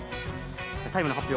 タイムの発表。